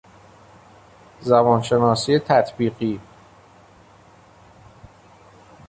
زبانشناسی تطبیقی